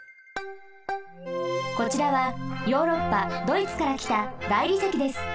こちらはヨーロッパドイツからきた大理石です。